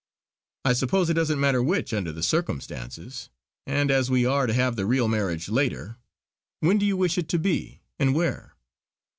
I suppose it doesn't matter which under the circumstances and as we are to have the real marriage later. When do you wish it to be, and where?"